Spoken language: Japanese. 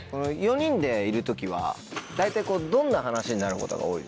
４人でいる時は大体どんな話になることが多いですか？